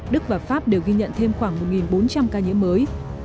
đức và pháp đều ghi nhận thêm khoảng một bốn trăm linh ca nhiễm mới